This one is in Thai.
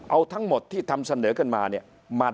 เอาทั้งหมดที่ทำเสนอกันมาเนี่ย